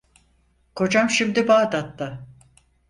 Kocam şimdi Bağdat'ta…